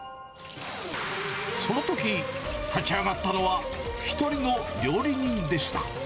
そのとき、立ち上がったのは１人の料理人でした。